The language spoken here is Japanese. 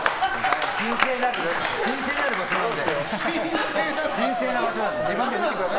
神聖なる場所なんで。